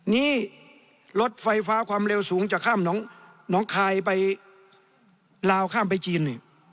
นี่รถไฟฟ้าความเร็วสูงจะข้ามน้องคายไปลาวข้ามไปจีนนี่